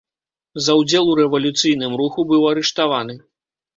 За ўдзел у рэвалюцыйным руху быў арыштаваны.